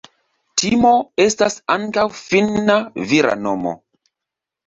Timo estas ankaŭ finna vira nomo.